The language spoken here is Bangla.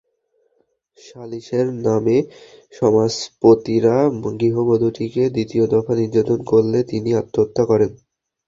সালিসের নামে সমাজপতিরা গৃহবধূটিকে দ্বিতীয় দফা নির্যাতন করলে তিনি আত্মহত্যা করেন।